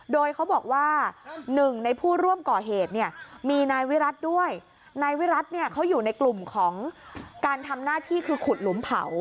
โดยเขาบอกว่าหนึ่งในผู้ร่วมก่อเหตุเนี่ยมีนายวิรัติด้วยนายวิรัติเนี่ยเขาอยู่ในกลุ่มของการทำหน้าที่คือขุดหลุมเผา